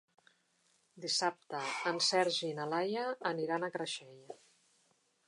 Dissabte en Sergi i na Laia aniran a Creixell.